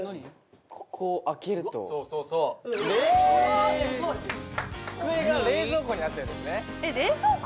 ここを開けると・すごい！・机が冷蔵庫になってるんですね